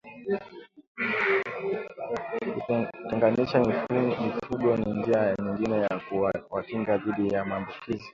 Kutenganisha mifugo ni njia nyingine ya kuwakinga dhidi ya maambukizi